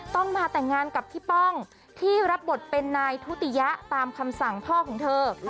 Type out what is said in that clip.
ต้องมาแต่งงานกับพี่ป้องที่รับบทเป็นนายทุติยะตามคำสั่งพ่อของเธอ